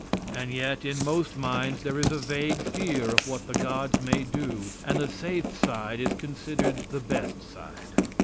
And yet, in most minds, there is a vague fear of what the gods may do, and the safe side is considered the best side.